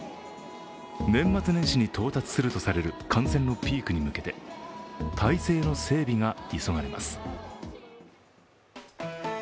年末年始に到達するとされる感染のピークに向けて体制の整備が急がれます。